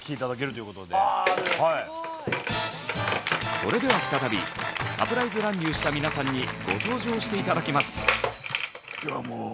それでは再びサプライズ乱入した皆さんにご登場して頂きます。